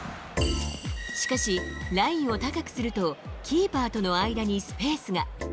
しかし、ラインを高くすると、キーパーとの間にスペースが。